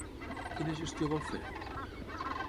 Quina gestió vol fer?